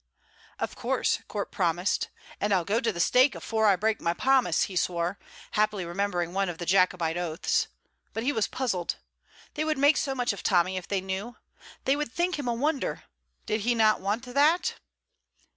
Of course Corp promised. "And I'll go to the stake afore I break my promise," he swore, happily remembering one of the Jacobite oaths. But he was puzzled. They would make so much of Tommy if they knew. They would think him a wonder. Did he not want that?